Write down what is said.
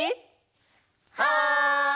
はい！